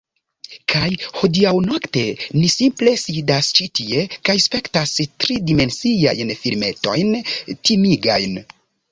Kaj hodiaŭnokte ni simple sidas ĉi tie kaj spektas tridimensiajn filmetojn timigajn